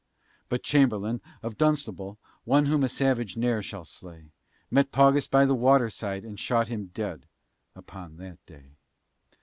But Chamberlain, of Dunstable (One whom a savage ne'er shall slay), Met Paugus by the water side, And shot him dead upon that day.